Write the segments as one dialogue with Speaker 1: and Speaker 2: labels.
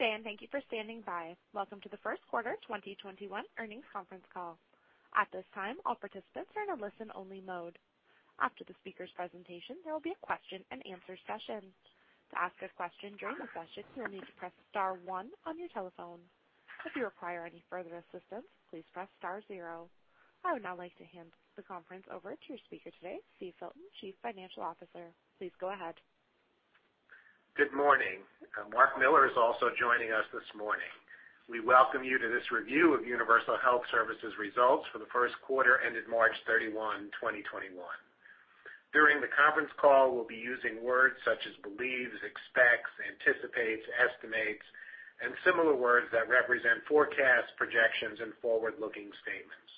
Speaker 1: Good day, and thank you for standing by. Welcome to the first quarter 2021 earnings conference call. At this time, all participants are in a listen-only mode. After the speaker's presentation, there will be a Q&A session. To ask a question during the session, you will need to press star one on your telephone. If you require any further assistance, please press star zero. I would now like to hand the conference over to your speaker today, Steve Filton, Chief Financial Officer. Please go ahead.
Speaker 2: Good morning. Marc Miller is also joining us this morning. We welcome you to this review of Universal Health Services results for the first quarter ended March 31, 2021. During the conference call, we'll be using words such as believes, expects, anticipates, estimates, and similar words that represent forecasts, projections, and forward-looking statements.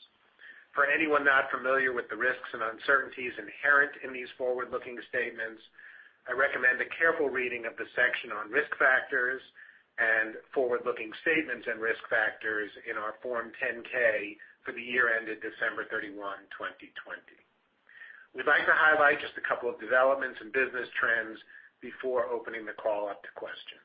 Speaker 2: For anyone not familiar with the risks and uncertainties inherent in these forward-looking statements, I recommend a careful reading of the section on risk factors and forward-looking statements and risk factors in our Form 10-K for the year ended December 31, 2020. We'd like to highlight just a couple of developments and business trends before opening the call up to questions.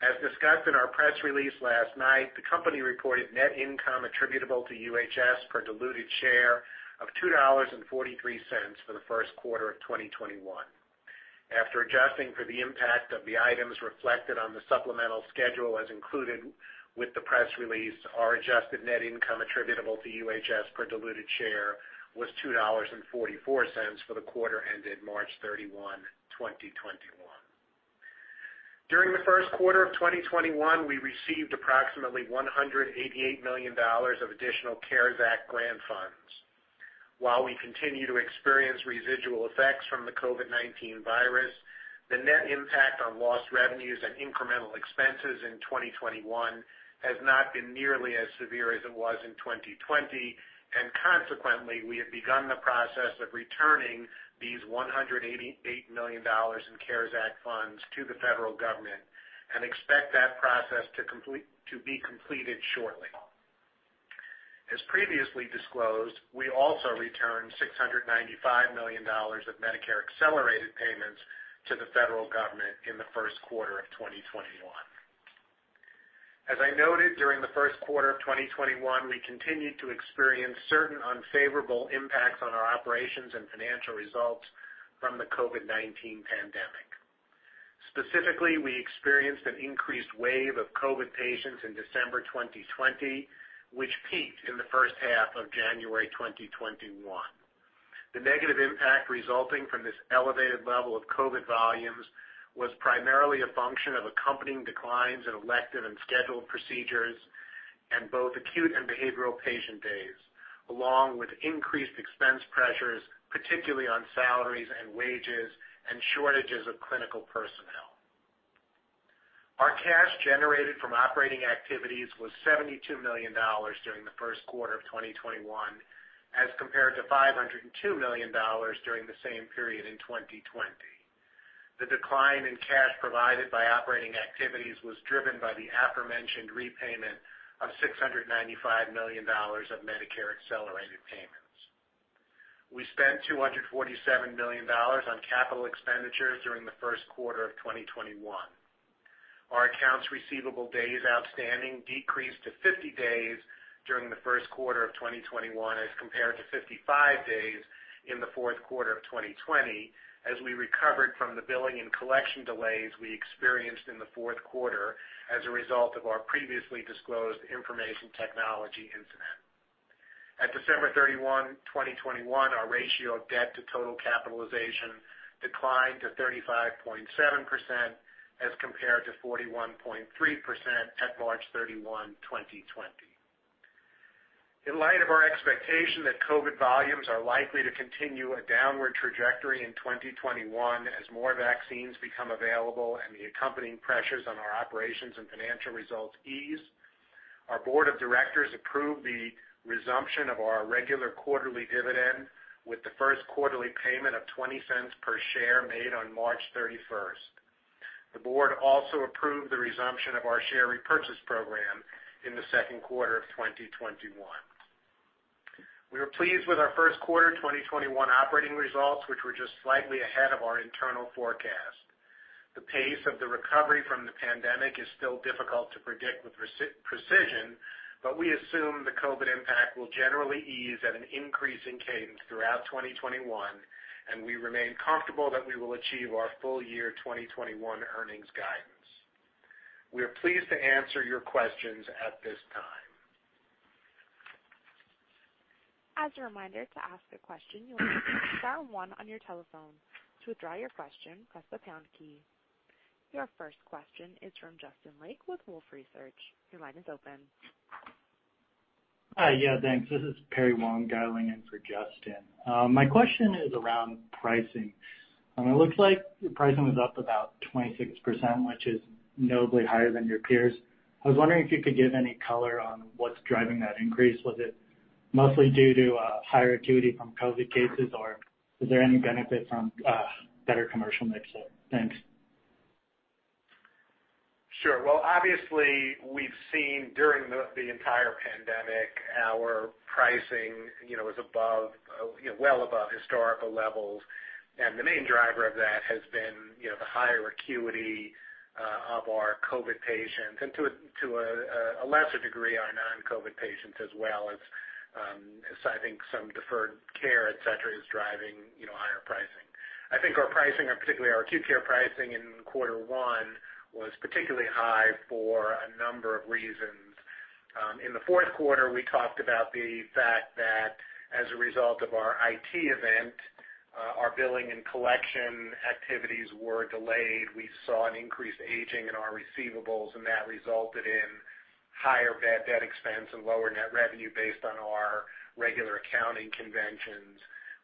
Speaker 2: As discussed in our press release last night, the company reported net income attributable to UHS per diluted share of $2.43 for the first quarter of 2021. After adjusting for the impact of the items reflected on the supplemental schedule as included with the press release, our adjusted net income attributable to UHS per diluted share was $2.44 for the quarter ended March 31, 2021. During the first quarter of 2021, we received approximately $188 million of additional CARES Act grant funds. While we continue to experience residual effects from the COVID-19 virus, the net impact on lost revenues and incremental expenses in 2021 has not been nearly as severe as it was in 2020, and consequently, we have begun the process of returning these $188 million in CARES Act funds to the federal government and expect that process to be completed shortly. As previously disclosed, we also returned $695 million of Medicare accelerated payments to the federal government in the first quarter of 2021. As I noted during the first quarter of 2021, we continued to experience certain unfavorable impacts on our operations and financial results from the COVID-19 pandemic. Specifically, we experienced an increased wave of COVID patients in December 2020, which peaked in the first half of January 2021. The negative impact resulting from this elevated level of COVID volumes was primarily a function of accompanying declines in elective and scheduled procedures and both acute and behavioral patient days, along with increased expense pressures, particularly on salaries and wages and shortages of clinical personnel. Our cash generated from operating activities was $72 million during the first quarter of 2021 as compared to $502 million during the same period in 2020. The decline in cash provided by operating activities was driven by the aforementioned repayment of $695 million of Medicare accelerated payments. We spent $247 million on capital expenditures during the first quarter of 2021. Our accounts receivable days outstanding decreased to 50 days during the first quarter of 2021 as compared to 55 days in the fourth quarter of 2020, as we recovered from the billing and collection delays we experienced in the fourth quarter as a result of our previously disclosed information technology incident. At December 31, 2021, our ratio of debt to total capitalization declined to 35.7% as compared to 41.3% at March 31, 2020. In light of our expectation that COVID-19 volumes are likely to continue a downward trajectory in 2021 as more vaccines become available and the accompanying pressures on our operations and financial results ease, our board of directors approved the resumption of our regular quarterly dividend with the first quarterly payment of $0.20 per share made on March 31st. The board also approved the resumption of our share repurchase program in the second quarter of 2021. We were pleased with our first quarter 2021 operating results, which were just slightly ahead of our internal forecast. The pace of the recovery from the pandemic is still difficult to predict with precision, but we assume the COVID-19 impact will generally ease at an increasing cadence throughout 2021, and we remain comfortable that we will achieve our full year 2021 earnings guidance. We are pleased to answer your questions at this time.
Speaker 1: As a reminder, to ask a question, you will need to press star one on your telephone. To withdraw your question, press the pound key. Your first question is from Justin Lake with Wolfe Research. Your line is open.
Speaker 3: Hi. Yeah, thanks. This is Perry Wong dialing in for Justin. My question is around pricing. It looks like your pricing was up about 26%, which is notably higher than your peers. I was wondering if you could give any color on what's driving that increase. Was it mostly due to higher acuity from COVID cases, or was there any benefit from better commercial mix there? Thanks.
Speaker 2: Sure. Well, obviously, we've seen during the entire pandemic, our pricing was well above historical levels. The main driver of that has been the higher acuity of our COVID patients, and to a lesser degree, our non-COVID patients as well, as I think some deferred care, et cetera, is driving higher pricing. I think our pricing, particularly our acute care pricing in quarter one, was particularly high for a number of reasons. In the fourth quarter, we talked about the fact that as a result of our IT event, our billing and collection activities were delayed. We saw an increased aging in our receivables, and that resulted in higher bad debt expense and lower net revenue based on our regular accounting conventions.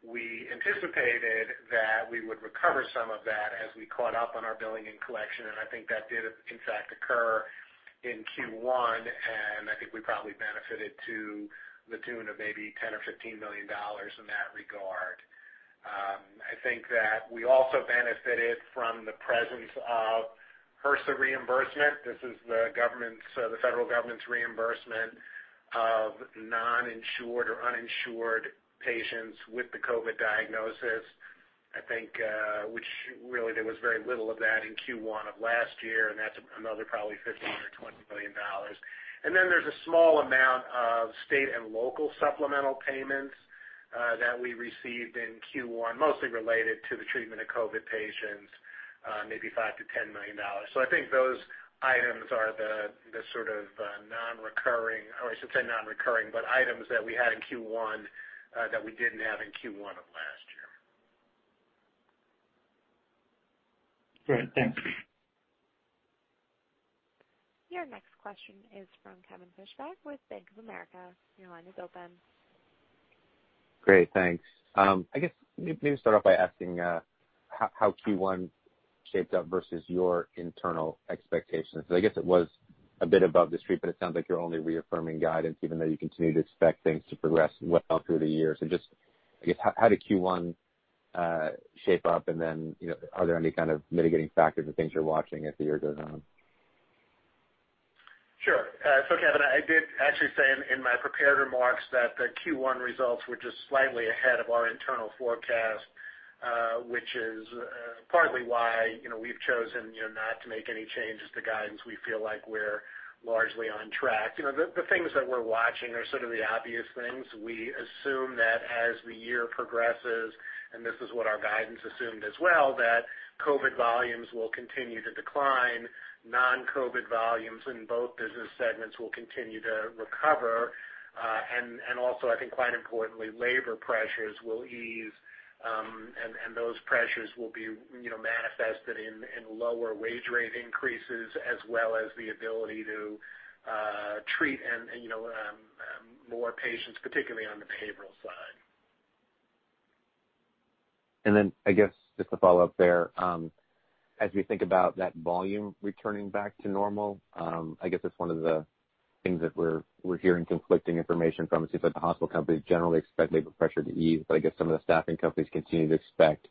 Speaker 2: We anticipated that we would recover some of that as we caught up on our billing and collection, and I think that did in fact occur in Q1, and I think we probably benefited to the tune of maybe $10 million or $15 million in that regard. I think that we also benefited from the presence of HRSA reimbursement. This is the federal government's reimbursement of non-insured or uninsured patients with the COVID diagnosis, I think, which really there was very little of that in Q1 of last year, and that's another probably $15 million or $20 million. There's a small amount of state and local supplemental payments that we received in Q1, mostly related to the treatment of COVID patients, maybe $5 million-$10 million. I think those items are the sort of non-recurring, or I shouldn't say non-recurring, but items that we had in Q1, that we didn't have in Q1 of last year.
Speaker 3: Great. Thanks.
Speaker 1: Your next question is from Kevin Fischbeck with Bank of America. Your line is open.
Speaker 4: Great. Thanks. I guess, maybe start off by asking how Q1 shaped up versus your internal expectations. I guess it was a bit above the street, but it sounds like you're only reaffirming guidance even though you continue to expect things to progress well through the year. Just, I guess, how did Q1 shape up? Are there any kind of mitigating factors or things you're watching as the year goes on?
Speaker 2: Sure. Kevin Fischbeck, I did actually say in my prepared remarks that the Q1 results were just slightly ahead of our internal forecast, which is partly why we've chosen not to make any changes to guidance. We feel like we're largely on track. The things that we're watching are sort of the obvious things. We assume that as the year progresses, and this is what our guidance assumed as well, that COVID-19 volumes will continue to decline. Non-COVID-19 volumes in both business segments will continue to recover. Also, I think quite importantly, labor pressures will ease, and those pressures will be manifested in lower wage rate increases as well as the ability to treat more patients, particularly on the behavioral side.
Speaker 4: I guess just to follow up there, as we think about that volume returning back to normal, I guess that's one of the things that we're hearing conflicting information from. It seems like the hospital companies generally expect labor pressure to ease, I guess some of the staffing companies continue to expect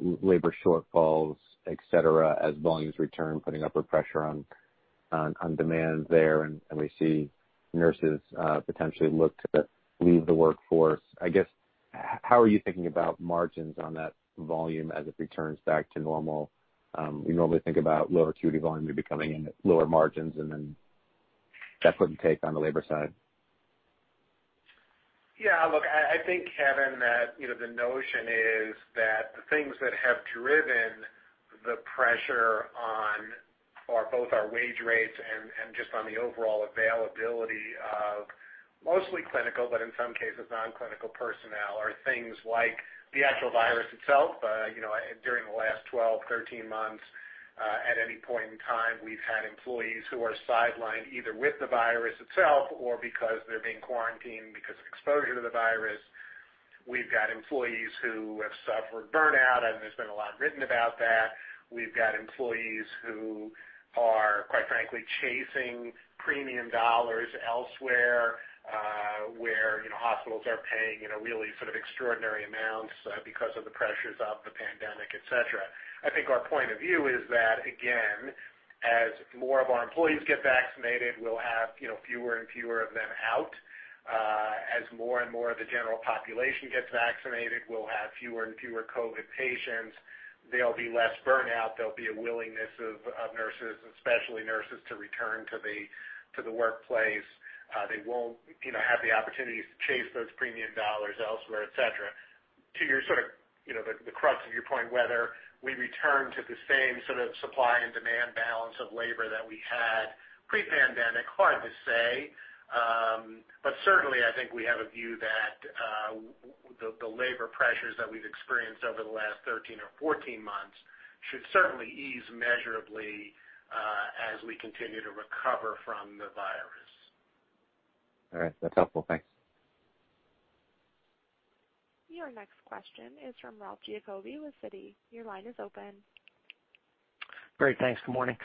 Speaker 4: labor shortfalls, et cetera, as volumes return, putting upward pressure on demand there, and we see nurses potentially look to leave the workforce. I guess, how are you thinking about margins on that volume as it returns back to normal? We normally think about lower acuity volume maybe coming in at lower margins, that putting take on the labor side.
Speaker 2: Yeah, look, I think, Kevin, that the notion is that the things that have driven the pressure on both our wage rates and just on the overall availability of mostly clinical, but in some cases non-clinical personnel, are things like the actual virus itself. During the last 12, 13 months, at any point in time, we've had employees who are sidelined either with the virus itself or because they're being quarantined because of exposure to the virus. We've got employees who have suffered burnout, and there's been a lot written about that. We've got employees who are, quite frankly, chasing premium dollars elsewhere, where hospitals are paying really sort of extraordinary amounts because of the pressures of the pandemic, et cetera. I think our point of view is that, again, as more of our employees get vaccinated, we'll have fewer and fewer of them out. As more and more of the general population gets vaccinated, we'll have fewer and fewer COVID patients. There'll be less burnout. There'll be a willingness of nurses, especially nurses, to return to the workplace. They won't have the opportunity to chase those premium dollars elsewhere, et cetera. To the crux of your point, whether we return to the same sort of supply and demand balance of labor that we had pre-pandemic, hard to say. Certainly, I think we have a view that the labor pressures that we've experienced over the last 13 or 14 months should certainly ease measurably as we continue to recover from the virus.
Speaker 4: All right. That's helpful. Thanks.
Speaker 1: Your next question is from Ralph Giacobbe with Citi. Your line is open.
Speaker 5: Great. Thanks. Good morning.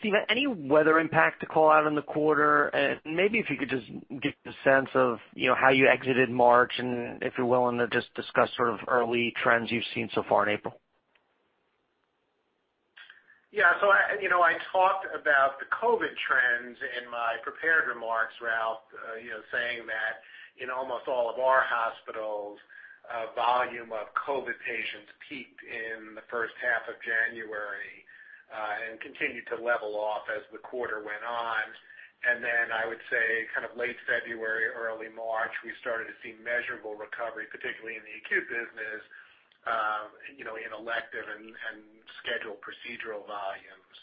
Speaker 5: Steve, any weather impact to call out in the quarter? Maybe if you could just get the sense of how you exited March and if you're willing to just discuss sort of early trends you've seen so far in April.
Speaker 2: Yeah. I talked about the COVID trends in my prepared remarks, Ralph, saying that in almost all of our hospitals, volume of COVID patients peaked in the first half of January, and continued to level off as the quarter went on. Then I would say late February, early March, we started to see measurable recovery, particularly in the acute business, in elective and scheduled procedural volumes.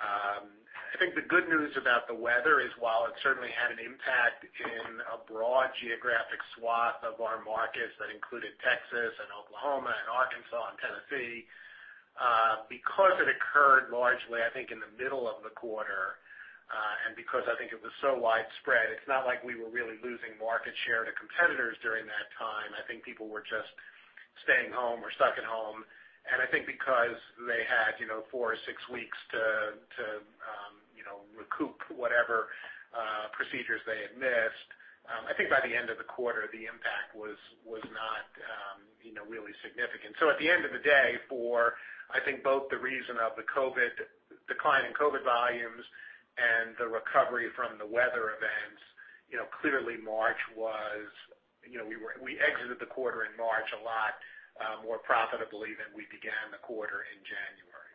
Speaker 2: I think the good news about the weather is while it certainly had an impact in a broad geographic swath of our markets that included Texas and Oklahoma and Arkansas and Tennessee, because it occurred largely, I think, in the middle of the quarter, and because I think it was so widespread, it's not like we were really losing market share to competitors during that time. I think people were just staying home or stuck at home. I think because they had four or six weeks to recoup whatever procedures they had missed, I think by the end of the quarter, the impact was not really significant. At the end of the day, for I think both the reason of the decline in COVID volumes and the recovery from the weather events, clearly we exited the quarter in March a lot more profitably than we began the quarter in January.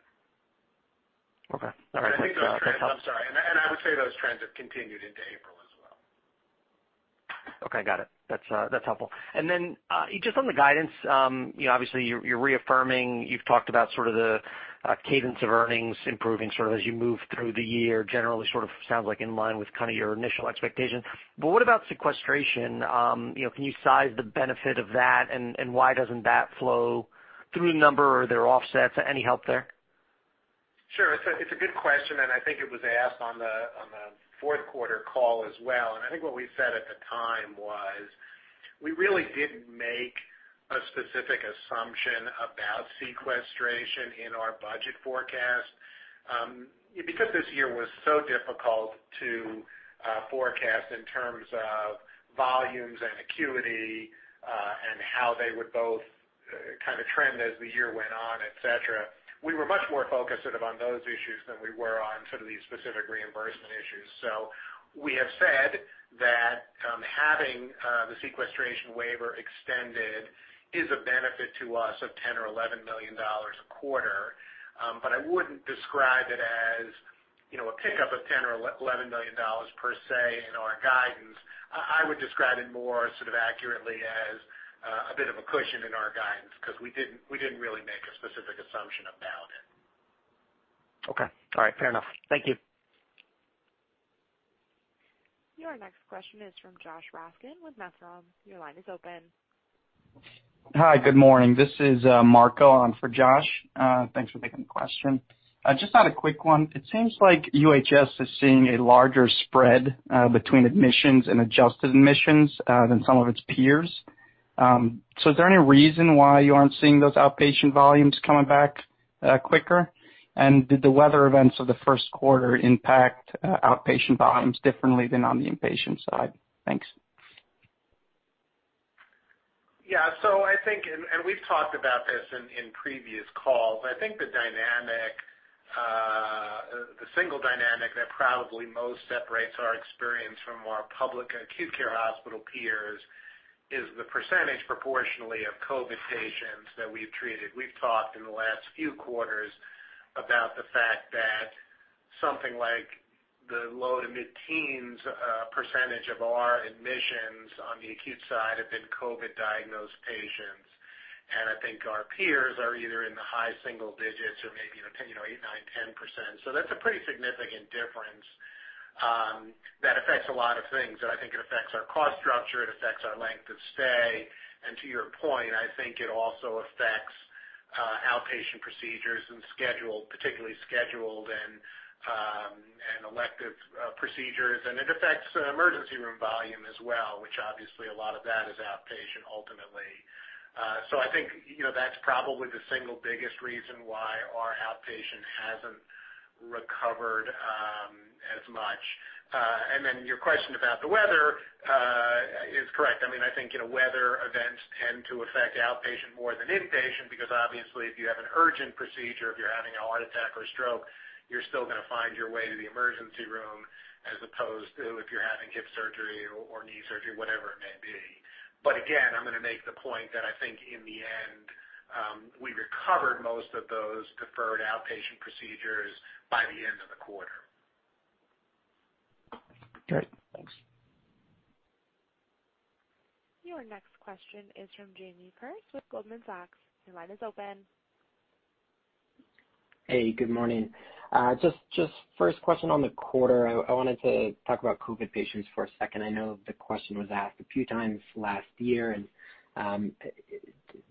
Speaker 5: Okay. All right.
Speaker 2: I'm sorry. I would say those trends have continued into April as well.
Speaker 5: Okay, got it. That's helpful. Just on the guidance, obviously you're reaffirming, you've talked about sort of the cadence of earnings improving sort of as you move through the year, generally sort of sounds like in line with kind of your initial expectations. What about sequestration? Can you size the benefit of that, and why doesn't that flow through the number or their offsets? Any help there?
Speaker 2: Sure. It's a good question, and I think it was asked on the fourth quarter call as well. I think what we said at the time was, we really didn't make a specific assumption about sequestration in our budget forecast. Because this year was so difficult to forecast in terms of volumes and acuity, and how they would both kind of trend as the year went on, et cetera, we were much more focused on those issues than we were on sort of the specific reimbursement issues. We have said that having the sequestration waiver extended is a benefit to us of $10 million or $11 million a quarter. I wouldn't describe it as a pickup of $10 million or $11 million, per se, in our guidance. I would describe it more sort of accurately as a bit of a cushion in our guidance, because we didn't really make a specific assumption about it.
Speaker 5: Okay. All right, fair enough. Thank you.
Speaker 1: Your next question is from Josh Raskin with Nephron. Your line is open.
Speaker 6: Hi, good morning. This is Marco on for Josh. Thanks for taking the question. Just had a quick one. It seems like UHS is seeing a larger spread between admissions and adjusted admissions than some of its peers. Is there any reason why you aren't seeing those outpatient volumes coming back quicker? Did the weather events of the first quarter impact outpatient volumes differently than on the inpatient side? Thanks.
Speaker 2: Yeah. We've talked about this in previous calls. I think the single dynamic that probably most separates our experience from our public acute care hospital peers is the percentage proportionally of COVID patients that we've treated. We've talked in the last few quarters about the fact that something like the low to mid-teens percentage of our admissions on the acute side have been COVID diagnosed patients. I think our peers are either in the high single digits or maybe 8%, 9%, 10%. That's a pretty significant difference that affects a lot of things. I think it affects our cost structure, it affects our length of stay. To your point, I think it also affects outpatient procedures and particularly scheduled and elective procedures. It affects emergency room volume as well, which obviously a lot of that is outpatient ultimately. I think that's probably the single biggest reason why our outpatient hasn't recovered as much. Your question about the weather is correct. I think weather events tend to affect outpatient more than inpatient, because obviously if you have an urgent procedure, if you're having a heart attack or stroke, you're still going to find your way to the emergency room as opposed to if you're having hip surgery or knee surgery, whatever it may be. Again, I'm going to make the point that I think in the end, we recovered most of those deferred outpatient procedures by the end of the quarter.
Speaker 6: Great. Thanks.
Speaker 1: Your next question is from Jamie Perse with Goldman Sachs. Your line is open.
Speaker 7: Hey, good morning. First question on the quarter. I wanted to talk about COVID patients for a second. I know the question was asked a few times last year, and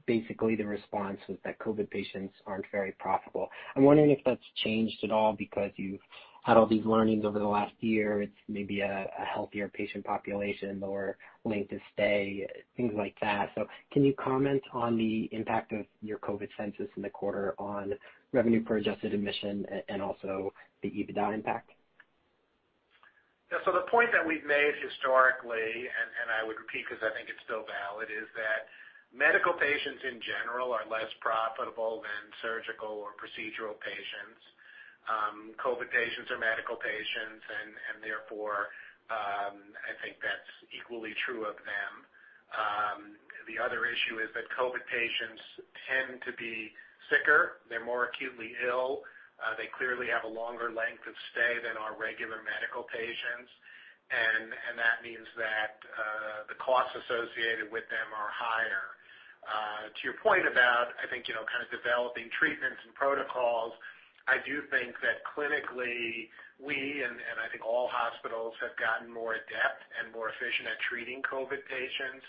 Speaker 7: basically the response was that COVID patients aren't very profitable. I'm wondering if that's changed at all because you've had all these learnings over the last year. It's maybe a healthier patient population, lower length of stay, things like that. Can you comment on the impact of your COVID census in the quarter on revenue per adjusted admission and also the EBITDA impact?
Speaker 2: The point that we've made historically, and I would repeat because I think it's still valid, is that medical patients in general are less profitable than surgical or procedural patients. COVID patients are medical patients, and therefore, I think that's equally true of them. The other issue is that COVID patients tend to be sicker. They're more acutely ill. They clearly have a longer length of stay than our regular medical patients, and that means that the costs associated with them are higher. To your point about, I think, kind of developing treatments and protocols, I do think that clinically we, and I think all hospitals, have gotten more adept and more efficient at treating COVID patients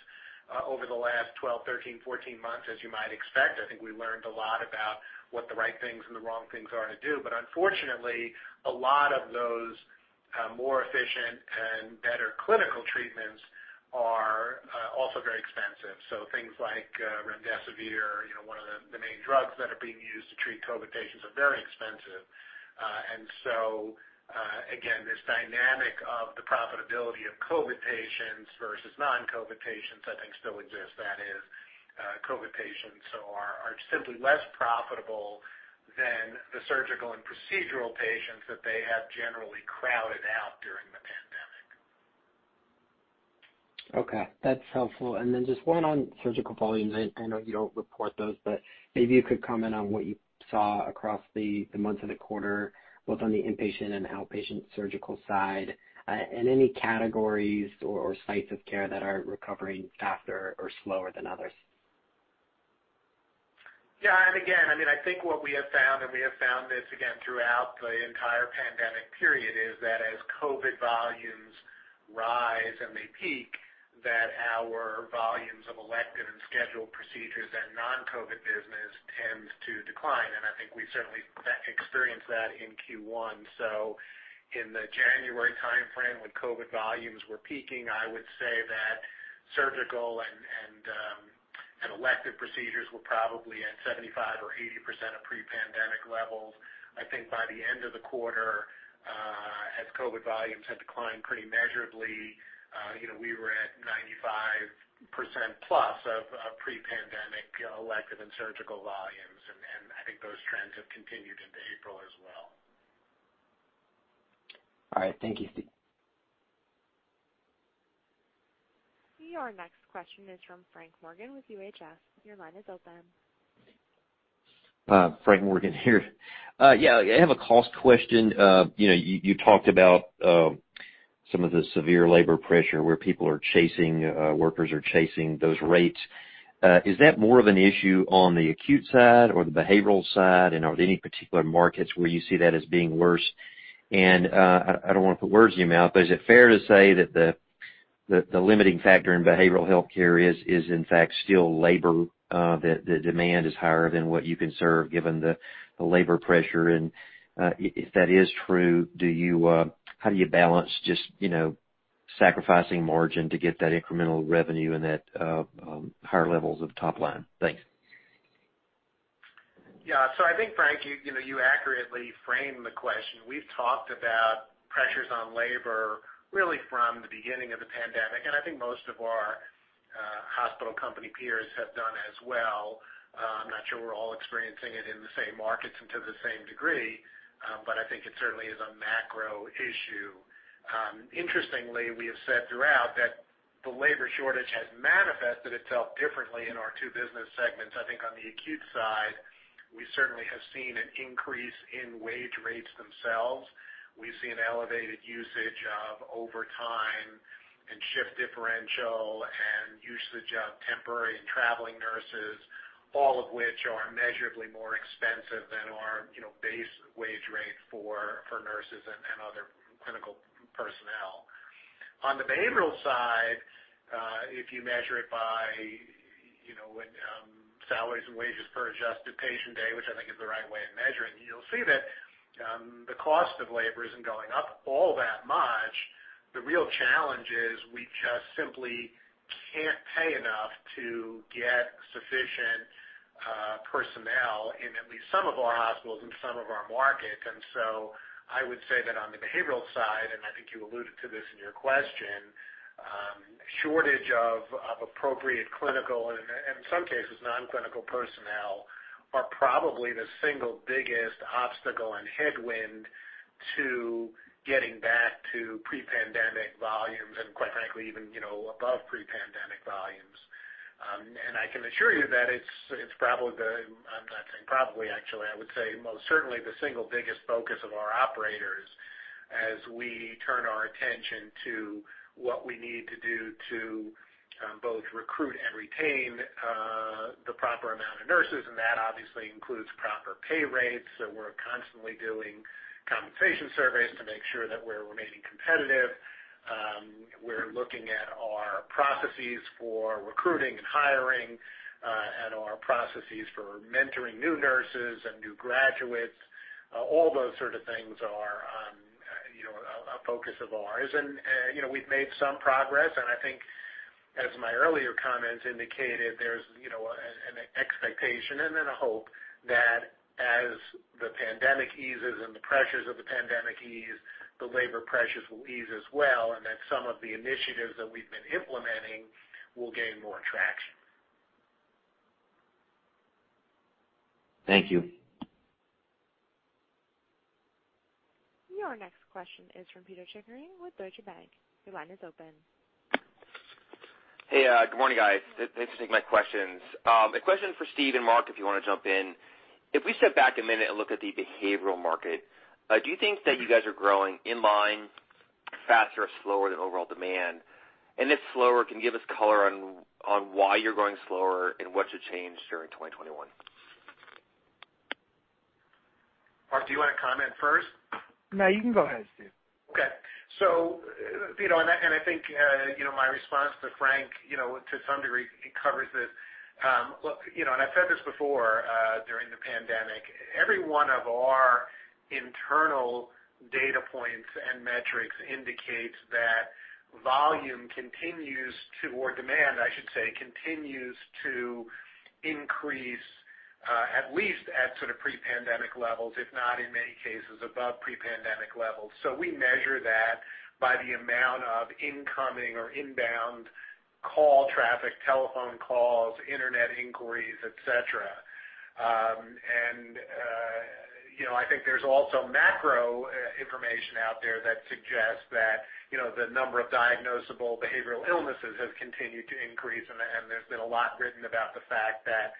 Speaker 2: over the last 12, 13, 14 months, as you might expect. I think we learned a lot about what the right things and the wrong things are to do. Unfortunately, a lot of those more efficient and better clinical treatments are also very expensive. Things like remdesivir, one of the main drugs that are being used to treat COVID patients, are very expensive. Again, this dynamic of the profitability of COVID patients versus non-COVID patients, I think still exists. That is, COVID patients are simply less profitable than the surgical and procedural patients that they have generally crowded out during the pandemic.
Speaker 7: Okay. That's helpful. Just one on surgical volumes. I know you don't report those, but maybe you could comment on what you saw across the months of the quarter, both on the inpatient and outpatient surgical side, and any categories or sites of care that are recovering faster or slower than others.
Speaker 2: Yeah. Again, I think what we have found, and we have found this again throughout the entire pandemic period, is that as COVID volumes rise and they peak, that our volumes of elective and scheduled procedures and non-COVID business tends to decline. I think we certainly experienced that in Q1. In the January timeframe, when COVID volumes were peaking, I would say that surgical and elective procedures were probably at 75% or 80% of pre-pandemic levels. I think by the end of the quarter, as COVID volumes had declined pretty measurably, we were at 95% plus of pre-pandemic elective and surgical volumes. I think those trends have continued into April as well.
Speaker 7: All right. Thank you.
Speaker 1: Your next question is from Frank Morgan with UHS. Your line is open.
Speaker 8: Frank Morgan here. I have a cost question. You talked about some of the severe labor pressure where workers are chasing those rates. Is that more of an issue on the acute side or the behavioral side, and are there any particular markets where you see that as being worse? I don't want to put words in your mouth, but is it fair to say that the limiting factor in behavioral healthcare is in fact still labor, that the demand is higher than what you can serve given the labor pressure? If that is true, how do you balance just sacrificing margin to get that incremental revenue and that higher levels of top line? Thanks.
Speaker 2: Yeah. I think, Frank, you accurately framed the question. We've talked about pressures on labor really from the beginning of the pandemic, and I think most of our hospital company peers have done as well. I'm not sure we're all experiencing it in the same markets and to the same degree, but I think it certainly is a macro issue. Interestingly, we have said throughout that the labor shortage has manifested itself differently in our two business segments. I think on the acute side, we certainly have seen an increase in wage rates themselves. We've seen elevated usage of overtime and shift differential and usage of temporary and traveling nurses, all of which are immeasurably more expensive than our base wage rate for nurses and other clinical personnel. On the behavioral side, if you measure it by salaries and wages per adjusted patient day, which I think is the right way of measuring, you'll see that the cost of labor isn't going up all that much. The real challenge is we just simply can't pay enough to get sufficient personnel in at least some of our hospitals and some of our markets. I would say that on the behavioral side, and I think you alluded to this in your question, shortage of appropriate clinical and, in some cases, non-clinical personnel are probably the single biggest obstacle and headwind to getting back to pre-pandemic volumes and, quite frankly, even above pre-pandemic volumes. I can assure you that it's actually, I would say most certainly the single biggest focus of our operators as we turn our attention to what we need to do to both recruit and retain the proper amount of nurses. That obviously includes proper pay rates. We're constantly doing compensation surveys to make sure that we're remaining competitive. We're looking at our processes for recruiting and hiring and our processes for mentoring new nurses and new graduates. All those sort of things are a focus of ours. We've made some progress, and I think as my earlier comments indicated, there's an expectation and then a hope that as the pandemic eases and the pressures of the pandemic ease, the labor pressures will ease as well, and that some of the initiatives that we've been implementing will gain more traction.
Speaker 8: Thank you.
Speaker 1: Your next question is from Pito Chickering with Deutsche Bank. Your line is open.
Speaker 9: Hey, good morning, guys. Thanks for taking my questions. A question for Steve and Marc, if you want to jump in. If we step back a minute and look at the Behavioral market, do you think that you guys are growing in line, faster or slower than overall demand? If slower, can you give us color on why you're growing slower and what's changed during 2021?
Speaker 2: Marc, do you want to comment first?
Speaker 10: No, you can go ahead, Steve.
Speaker 2: Okay. Pito, and I think my response to Frank Morgan, to some degree, it covers this. Look, I've said this before during the pandemic. Every one of our internal data points and metrics indicates that volume, or demand, I should say, continues to increase at least at pre-pandemic levels, if not in many cases above pre-pandemic levels. We measure that by the amount of incoming or inbound call traffic, telephone calls, internet inquiries, et cetera. I think there's also macro information out there that suggests that the number of diagnosable behavioral illnesses has continued to increase, and there's been a lot written about the fact that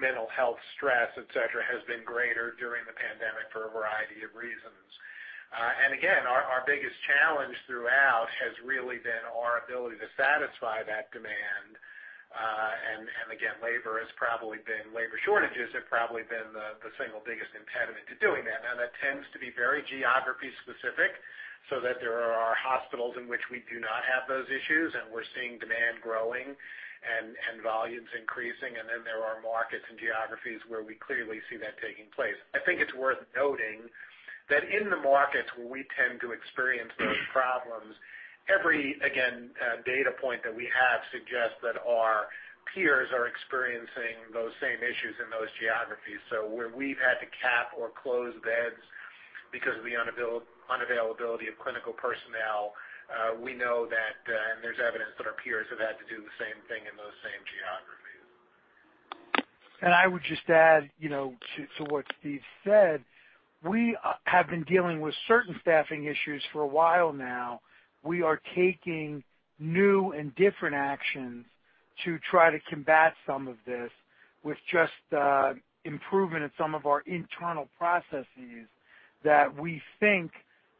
Speaker 2: mental health stress, et cetera, has been greater during the pandemic for a variety of reasons. Again, our biggest challenge throughout has really been our ability to satisfy that demand. Again, labor shortages have probably been the single biggest impediment to doing that. Now, that tends to be very geography specific, so that there are hospitals in which we do not have those issues, and we're seeing demand growing and volumes increasing. Then there are markets and geographies where we clearly see that taking place. I think it's worth noting that in the markets where we tend to experience those problems, every, again, data point that we have suggests that our peers are experiencing those same issues in those geographies. Where we've had to cap or close beds because of the unavailability of clinical personnel, we know that, and there's evidence that our peers have had to do the same thing in those same geographies.
Speaker 10: I would just add to what Steve said, we have been dealing with certain staffing issues for a while now. We are taking new and different actions to try to combat some of this with just improvement in some of our internal processes that we think,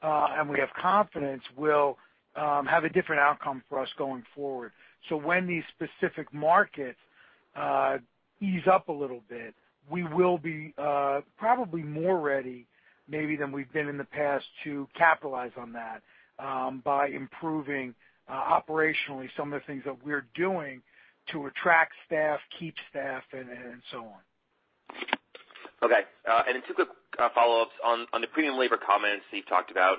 Speaker 10: and we have confidence, will have a different outcome for us going forward. When these specific markets ease up a little bit, we will be probably more ready maybe than we've been in the past to capitalize on that by improving operationally some of the things that we're doing to attract staff, keep staff, and so on.
Speaker 9: Okay. Two quick follow-ups on the premium labor comments Steve talked about.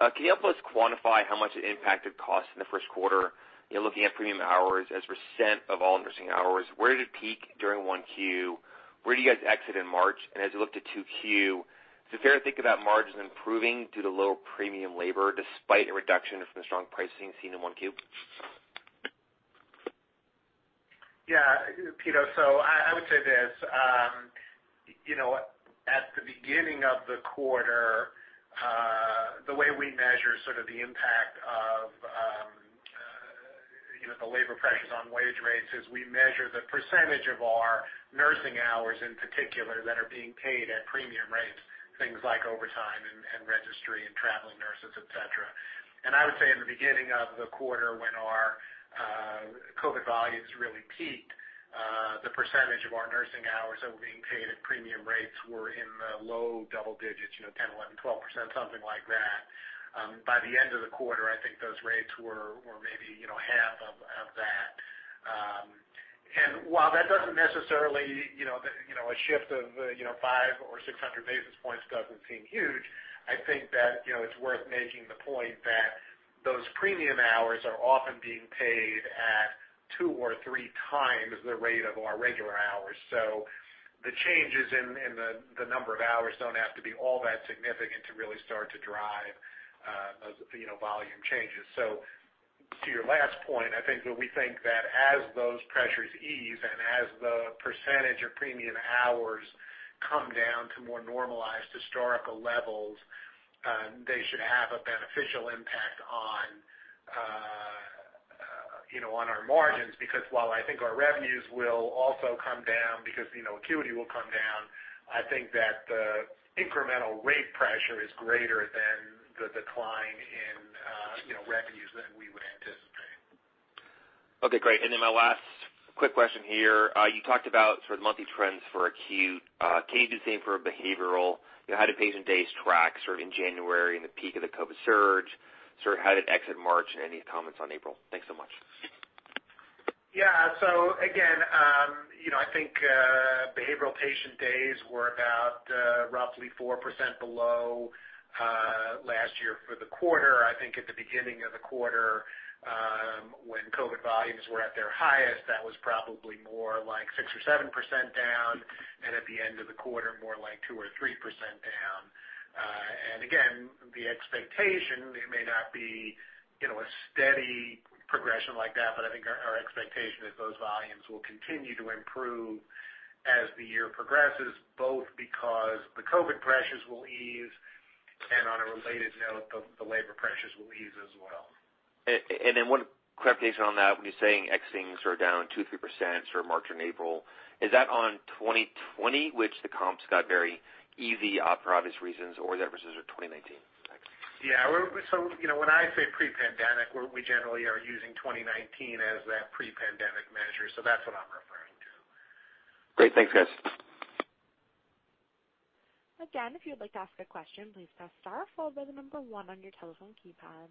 Speaker 9: Can you help us quantify how much it impacted costs in the first quarter, looking at premium hours as % of all nursing hours? Where did it peak during 1Q? Where do you guys exit in March? As you look to 2Q, is it fair to think about margins improving due to lower premium labor despite a reduction from the strong pricing seen in 1Q?
Speaker 2: Yeah. Pito, I would say this. At the beginning of the quarter, the way we measure sort of the impact of the labor pressures on wage rates is we measure the percentage of our nursing hours in particular that are being paid at premium rates, things like overtime and registry and traveling nurses, et cetera. I would say in the beginning of the quarter, when our COVID volumes really peaked, the percentage of our nursing hours that were being paid at premium rates were in the low double digits, 10%, 11%, 12%, something like that. By the end of the quarter, I think those rates were maybe half of that. While that doesn't necessarily, a shift of five or 600 basis points doesn't seem huge, I think that it's worth making the point that those premium hours are often being paid at two or three times the rate of our regular hours. The changes in the number of hours don't have to be all that significant to really start to drive volume changes. To your last point, I think that we think that as those pressures ease and as the percentage of premium hours come down to more normalized historical levels, they should have a beneficial impact on our margins. While I think our revenues will also come down because acuity will come down, I think that the incremental rate pressure is greater than the decline in revenues that we would anticipate.
Speaker 9: Okay, great. My last quick question here. You talked about sort of monthly trends for acute. Can you do the same for behavioral? How did patient days track sort of in January and the peak of the COVID-19 surge? Sort of how did exit March and any comments on April? Thanks so much.
Speaker 2: Yeah. Again, I think behavioral patient days were about roughly 4% below last year for the quarter. I think at the beginning of the quarter, when COVID volumes were at their highest, that was probably more like 6% or 7% down, and at the end of the quarter, more like 2% or 3% down. Again, the expectation, it may not be a steady progression like that, but I think our expectation is those volumes will continue to improve as the year progresses, both because the COVID pressures will ease, and on a related note, the labor pressures will ease as well.
Speaker 9: One clarification on that. When you're saying ex things are down 2%, 3% for March and April, is that on 2020, which the comps got very easy for obvious reasons, or that versus your 2019? Thanks.
Speaker 2: Yeah. When I say pre-pandemic, we generally are using 2019 as that pre-pandemic measure. That's what I'm referring to.
Speaker 9: Great. Thanks, guys.
Speaker 1: Again if you'd like to ask a question, please press star, followed by the number one on your telephone keypad.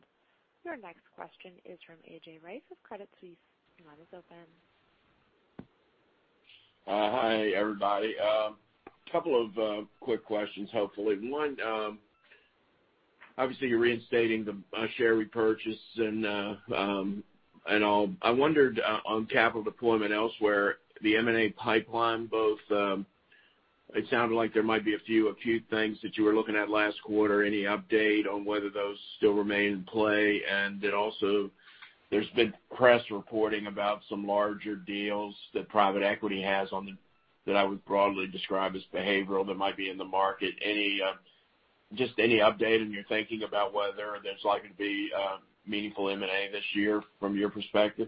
Speaker 1: Your next question is from A.J. Rice with Credit Suisse. Your line is open.
Speaker 11: Hi, everybody. Couple of quick questions, hopefully. One, obviously you're reinstating the share repurchase and all. I wondered on capital deployment elsewhere, the M&A pipeline, both, it sounded like there might be a few things that you were looking at last quarter. Any update on whether those still remain in play? Also, there's been press reporting about some larger deals that private equity has on them that I would broadly describe as behavioral that might be in the market. Just any update on your thinking about whether there's likely to be meaningful M&A this year from your perspective?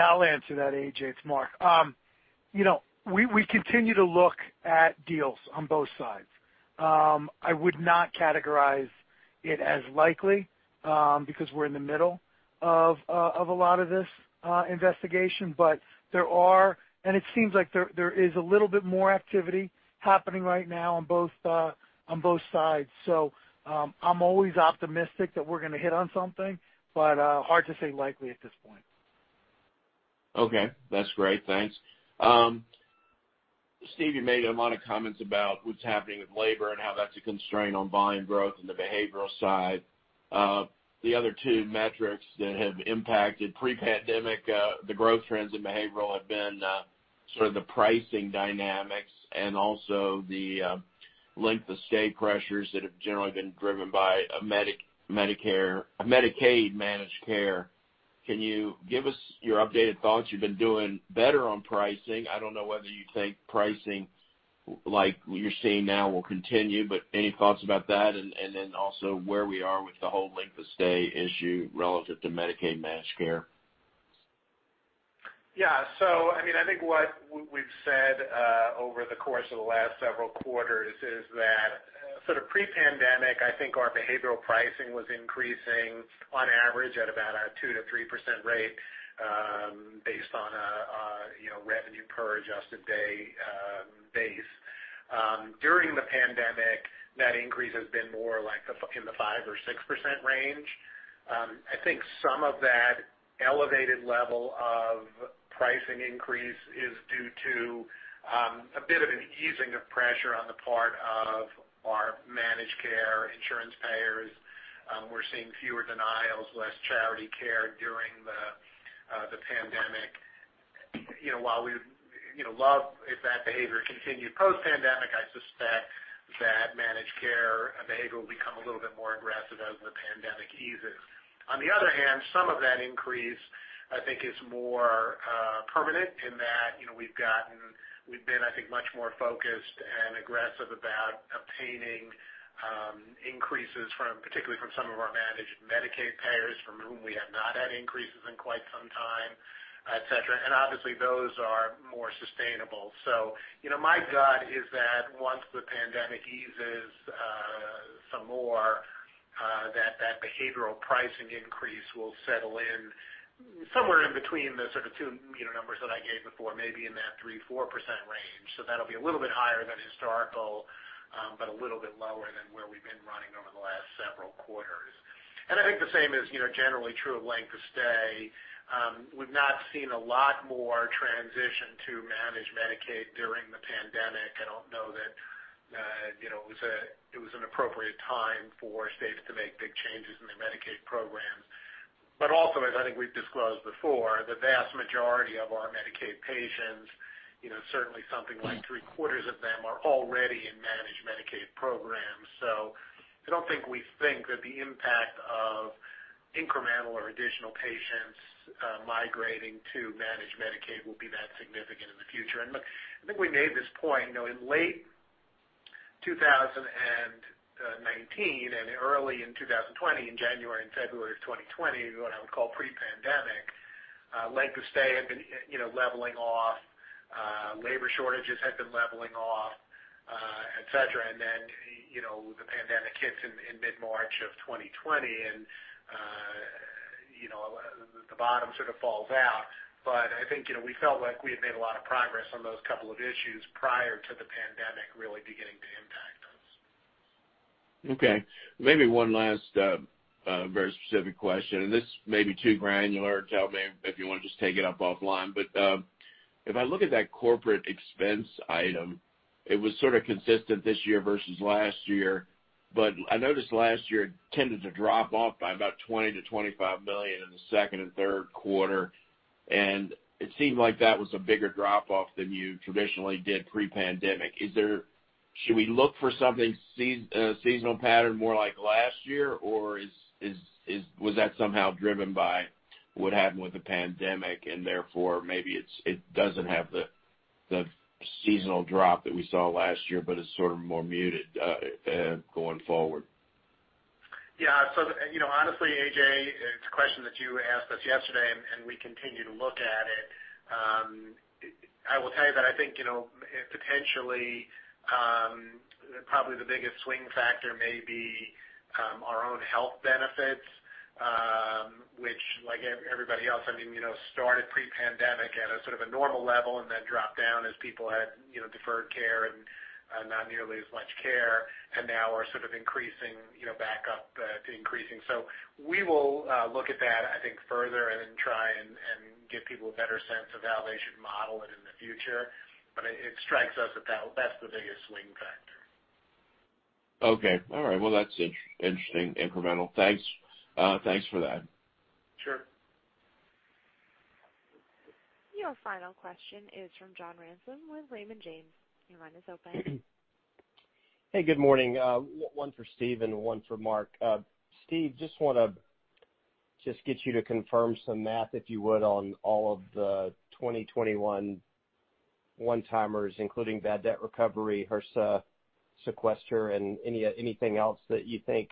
Speaker 10: I'll answer that, AJ. It's Marc. We continue to look at deals on both sides. I would not categorize it as likely, because we're in the middle of a lot of this investigation. There are, and it seems like there is a little bit more activity happening right now on both sides. I'm always optimistic that we're going to hit on something, but hard to say likely at this point.
Speaker 11: Okay. That's great. Thanks. Steve, you made a lot of comments about what's happening with labor and how that's a constraint on volume growth in the behavioral side. The other two metrics that have impacted pre-pandemic, the growth trends in behavioral have been sort of the pricing dynamics and also the length of stay pressures that have generally been driven by a Medicaid managed care. Can you give us your updated thoughts? You've been doing better on pricing. I don't know whether you think pricing like you're seeing now will continue, but any thoughts about that? Also where we are with the whole length of stay issue relative to Medicaid managed care?
Speaker 2: Yeah. I think what we've said over the course of the last several quarters is that sort of pre-pandemic, I think our behavioral pricing was increasing on average at about a 2%-3% rate based on a revenue per adjusted day base. During the pandemic, that increase has been more like in the 5%-6% range. I think some of that elevated level of pricing increase is due to a bit of an easing of pressure on the part of our managed care insurance payers. We're seeing fewer denials, less charity care during the pandemic. While we'd love if that behavior continued post-pandemic, I suspect that managed care behavioral will become a little more aggressive as the pandemic eases. On the other hand, some of that increase, I think, is more permanent in that we've been, I think, much more focused and aggressive about obtaining increases from, particularly from some of our managed Medicaid payers from whom we have not had increases in quite some time, et cetera. Obviously those are more sustainable. My gut is that once the pandemic eases some more, that behavioral pricing increase will settle in somewhere in between the sort of two numbers that I gave before, maybe in that 3%-4% range. That'll be a little bit higher than historical, but a little bit lower than where we've been running over the last several quarters. I think the same is generally true of length of stay. We've not seen a lot more transition to managed Medicaid during the pandemic. I don't know that it was an appropriate time for states to make big changes in their Medicaid programs. Also, as I think we've disclosed before, the vast majority of our Medicaid patients, certainly something like three quarters of them are already in managed Medicaid programs. I don't think we think that the impact of incremental or additional patients migrating to managed Medicaid will be that significant in the future. Look, I think we made this point. In late 2019 and early in 2020, in January and February of 2020, what I would call pre-pandemic, length of stay had been leveling off, labor shortages had been leveling off, et cetera. Then, the pandemic hits in mid-March of 2020, and the bottom sort of falls out. I think we felt like we had made a lot of progress on those couple of issues prior to the pandemic really beginning to impact.
Speaker 11: Okay. Maybe one last very specific question, and this may be too granular. Tell me if you want to just take it up offline. If I look at that corporate expense item, it was sort of consistent this year versus last year. I noticed last year it tended to drop off by about $20 million-$25 million in the second and third quarter. It seemed like that was a bigger drop-off than you traditionally did pre-pandemic. Should we look for something, a seasonal pattern more like last year? Was that somehow driven by what happened with the pandemic, and therefore, maybe it doesn't have the seasonal drop that we saw last year, but it's sort of more muted going forward?
Speaker 2: Honestly, A.J., it's a question that you asked us yesterday, and we continue to look at it. I will tell you that I think, potentially, probably the biggest swing factor may be our own health benefits. Which, like everybody else, started pre-pandemic at a sort of a normal level and then dropped down as people had deferred care and not nearly as much care, and now are sort of increasing back up to increasing. We will look at that, I think, further and then try and give people a better sense of how they should model it in the future. It strikes us that that's the biggest swing factor.
Speaker 11: Okay. All right. Well, that's interesting incremental. Thanks for that.
Speaker 2: Sure.
Speaker 1: Your final question is from John Ransom with Raymond James. Your line is open.
Speaker 12: Hey, good morning. One for Steve and one for Marc. Steve, just want to get you to confirm some math, if you would, on all of the 2021 one-timers, including bad debt recovery, HRSA sequester, and anything else that you think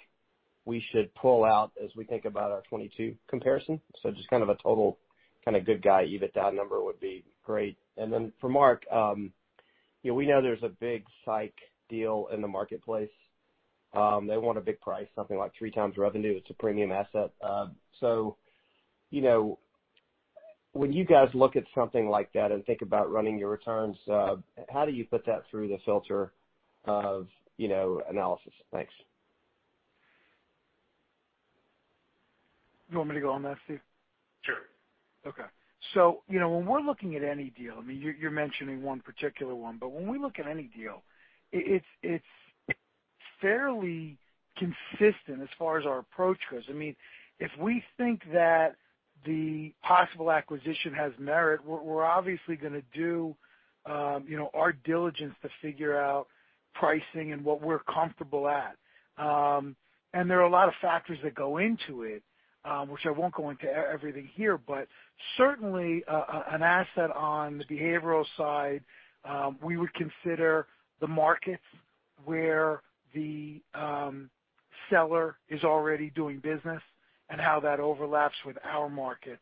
Speaker 12: we should pull out as we think about our 2022 comparison. Just kind of a total kind of good guy EBITDA number would be great. For Marc, we know there's a big psych deal in the marketplace. They want a big price, something like 3x revenue. It's a premium asset. When you guys look at something like that and think about running your returns, how do you put that through the filter of analysis? Thanks.
Speaker 10: You want me to go on that, Steve?
Speaker 2: Sure.
Speaker 10: Okay. When we're looking at any deal, you're mentioning one particular one, but when we look at any deal, it's fairly consistent as far as our approach goes. If we think that the possible acquisition has merit, we're obviously going to do our diligence to figure out pricing and what we're comfortable at. There are a lot of factors that go into it, which I won't go into everything here, but certainly, an asset on the behavioral side, we would consider the markets where the seller is already doing business and how that overlaps with our markets.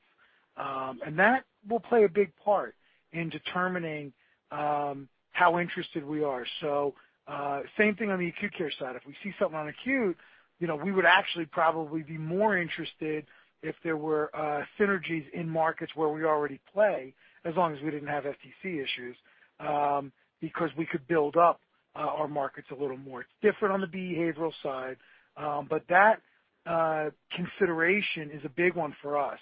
Speaker 10: That will play a big part in determining how interested we are. Same thing on the acute care side. If we see something on acute, we would actually probably be more interested if there were synergies in markets where we already play, as long as we didn't have FTC issues, because we could build up our markets a little more. It's different on the behavioral side. That consideration is a big one for us.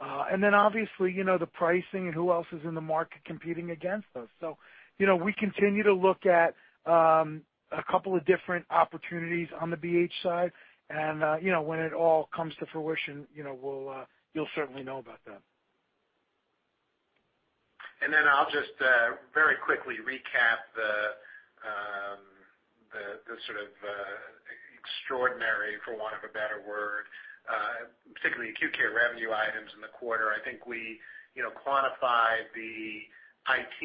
Speaker 10: Obviously, the pricing and who else is in the market competing against us. We continue to look at a couple of different opportunities on the BH side. When it all comes to fruition, you'll certainly know about that.
Speaker 2: I'll just very quickly recap the sort of extraordinary, for want of a better word, particularly acute care revenue items in the quarter. I think we quantified the IT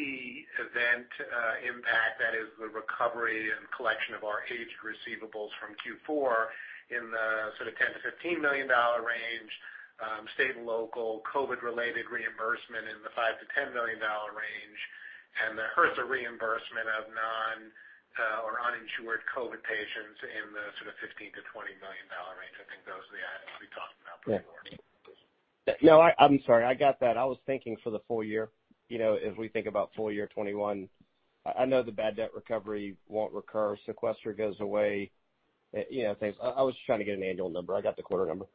Speaker 2: event impact, that is the recovery and collection of our aged receivables from Q4 in the sort of $10 million-$15 million range, state and local COVID-19 related reimbursement in the $5 million-$10 million range, and the HRSA reimbursement of non or uninsured COVID-19 patients in the sort of $15 million-$20 million range. I think those are the items we talked about before.
Speaker 12: Yeah. No, I'm sorry. I got that. I was thinking for the full year. As we think about full year 2021, I know the bad debt recovery won't recur. Sequester goes away. I was trying to get an annual number. I got the quarter number.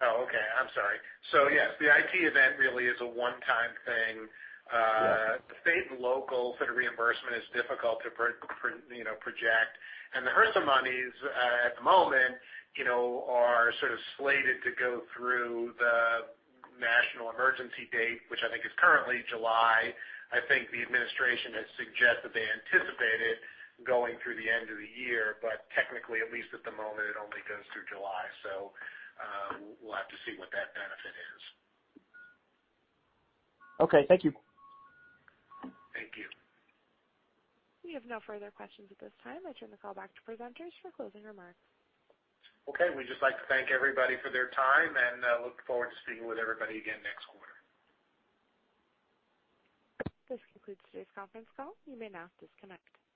Speaker 2: Oh, okay. I'm sorry. Yes, the IT event really is a one-time thing.
Speaker 12: Yeah.
Speaker 2: The state and local sort of reimbursement is difficult to project. The HRSA monies at the moment are sort of slated to go through the national emergency date, which I think is currently July. I think the administration has suggested they anticipated going through the end of the year, but technically, at least at the moment, it only goes through July. We'll have to see what that benefit is.
Speaker 12: Okay. Thank you.
Speaker 2: Thank you.
Speaker 1: We have no further questions at this time. I turn the call back to presenters for closing remarks.
Speaker 2: Okay. We'd just like to thank everybody for their time, and look forward to speaking with everybody again next quarter.
Speaker 1: This concludes today's conference call. You may now disconnect.